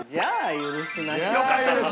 許します。